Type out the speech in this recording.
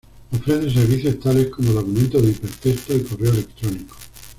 Ofrece servicios tales como documentos de hipertexto y correo electrónico.